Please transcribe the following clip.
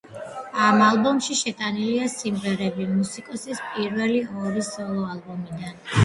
ამ ალბომში შეტანილია სიმღერები მუსიკოსის პირველი ორი სოლო ალბომიდან.